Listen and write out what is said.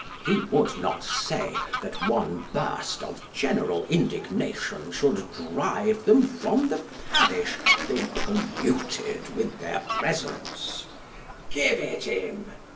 "). He would not say, that one burst of general indignation should drive them from the parish they polluted with their presence (" Give it him